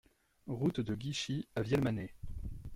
Route de Guichy à Vielmanay